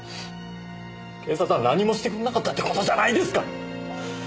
警察は何もしてくれなかったって事じゃないですか！